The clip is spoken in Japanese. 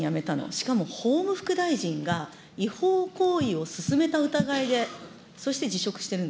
しかも法務副大臣が違法行為をすすめた疑いで、そして辞職してる